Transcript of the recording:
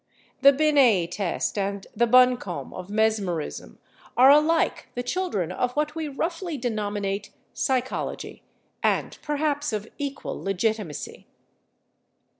The Binét test and the buncombe of mesmerism are alike the children of what we roughly denominate psychology, and perhaps of equal legitimacy.